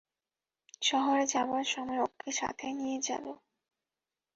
শহরে যাবার সময় ওকে সাথে নিয়ে যাবো।